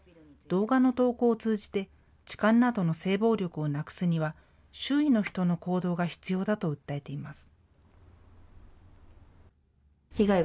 動画の投稿を通じて痴漢などの性暴力をなくすには、周囲の人の行動が必要だと訴えています。